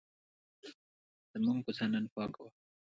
زموږ کوڅه نن پاکه وه.